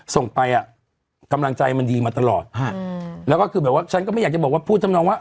ส่งไปอ่ะกำลังใจมันดีมาตลอดฮะแล้วก็คือแบบว่าฉันก็ไม่อยากจะบอกว่าพูดทำนองว่า